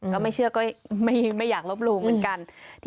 ก็ไม่เชื่อก็ไม่อยากลบหลู่เหมือนกัน